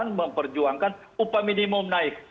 yang memperjuangkan upah minimum naik